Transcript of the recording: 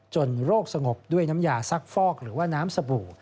โรคสงบด้วยน้ำยาซักฟอกหรือว่าน้ำสบู่